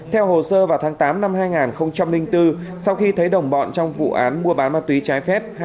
theo hồ sơ vào tháng tám năm hai nghìn bốn sau khi thấy đồng bọn trong vụ án mua bán ma túy trái phép